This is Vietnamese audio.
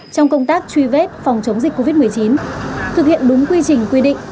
trong công tác truy vết phòng chống dịch covid một mươi chín thực hiện đúng quy trình quy định